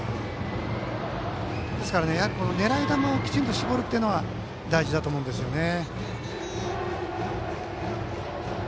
ですから狙い球をきちんと絞るということが大事だと思うんですよね。